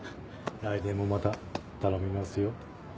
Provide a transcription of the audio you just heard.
来年もまた頼みますよ。